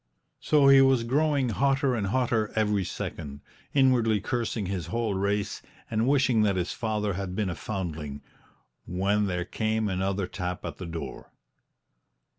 So he was growing hotter and hotter every second, inwardly cursing his whole race and wishing that his father had been a foundling when there came another tap at the door.